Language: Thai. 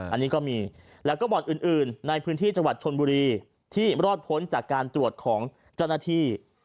อันนี้ก็มีแล้วก็บ่อนอื่นในพื้นที่จังหวัดชนบุรีที่รอดพ้นจากการตรวจของเจ้าหน้าที่